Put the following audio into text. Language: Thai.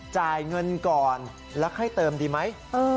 จ่ายเงินก่อนรักให้เติมดีไหม